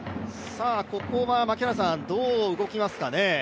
ここはどう動きますかね？